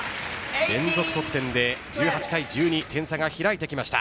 連続得点で１８対１２点差が開いてきました。